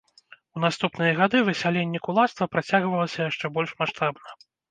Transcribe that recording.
У наступныя гады высяленне кулацтва працягвалася яшчэ больш маштабна.